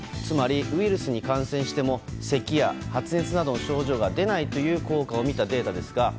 つまり、ウイルスに感染してもせきや発熱などの症状が出ないという効果を見たデータです。